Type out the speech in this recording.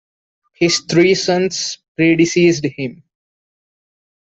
His three sons predeceased him.